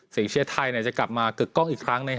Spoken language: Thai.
เชียร์ไทยจะกลับมากึกกล้องอีกครั้ง